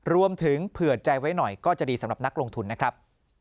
เผื่อใจไว้หน่อยก็จะดีสำหรับนักลงทุนนะครับ